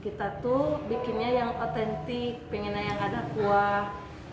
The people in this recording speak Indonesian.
kita tuh bikinnya yang otentik pengennya yang ada kuah